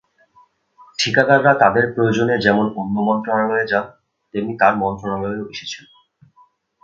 ঠিকাদাররা তাঁদের প্রয়োজনে যেমন অন্য মন্ত্রণালয়ে যান, তেমনি তাঁর মন্ত্রণালয়েও এসেছেন।